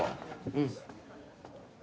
うん。